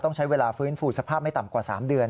ต้องใช้เวลาฟื้นฟูสภาพไม่ต่ำกว่า๓เดือน